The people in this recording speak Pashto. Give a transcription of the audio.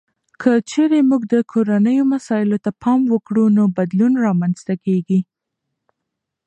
که چیرته موږ د کورنیو مسایلو ته پام وکړو، نو بدلون رامنځته کیږي.